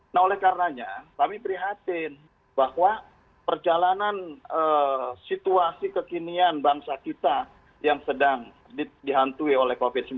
nah oleh karenanya kami prihatin bahwa perjalanan situasi kekinian bangsa kita yang sedang dihantui oleh covid sembilan belas